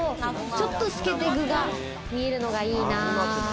ちょっと透けて具が見えるのがいいな。